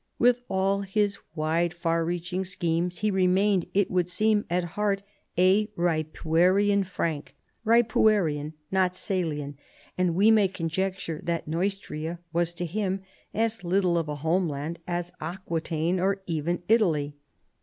With all his wide, far reaching schemes he remained, it would seem, at heart a Ripuarian Frank — Ripuarian notSalian — and we may conjecture that Neustria was to him as little of a homeland as Aqui taine or even Italy.